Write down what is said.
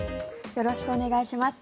よろしくお願いします。